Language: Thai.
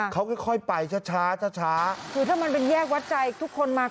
เขาค่อยค่อยไปช้าช้าคือถ้ามันเป็นแยกวัดใจทุกคนมา